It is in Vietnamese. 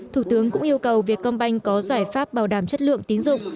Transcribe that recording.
thủ tướng cũng yêu cầu việt công banh có giải pháp bảo đảm chất lượng tín dụng